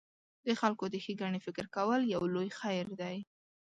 د خلکو د ښېګڼې فکر کول یو لوی خیر دی.